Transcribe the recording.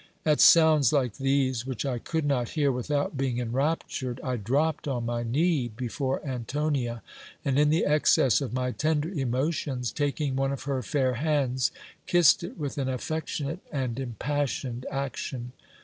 At sounds like these, which I could not hear without being enraptured, I dropped on my knee before Antonia, and in the excess of my tender emotions, taking one of her fair hands, kissed it with an affectionate and impassioned ac tion.